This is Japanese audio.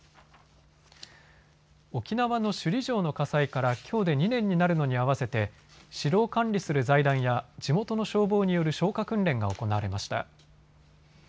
沖縄の首里城の火災からきょうで２年になるのに合わせて城を管理する財団や地元の消防による消火訓練が行われました。